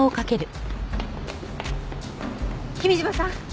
君嶋さん！